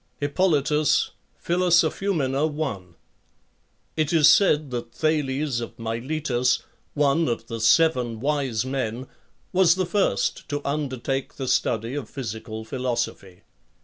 Hipp. i.; Dow. 555. It is said that Thales of Miletos, one of the seven wise men, was the first to undertake the study of physical philosophy.